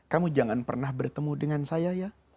kamu jangan pernah bertemu dengan saya ya